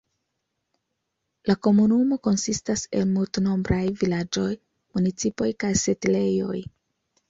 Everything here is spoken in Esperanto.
La komunumo konsistas el multnombraj vilaĝoj, municipoj kaj setlejoj.